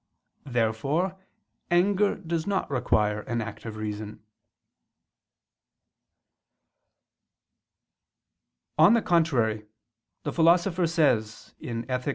Therefore anger does not require an act of reason. On the contrary, The Philosopher says (Ethic.